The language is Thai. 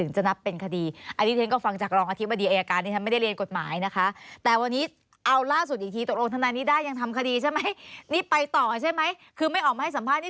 ใช่ไหมคือไม่ออกมาให้สัมภาษณ์นี้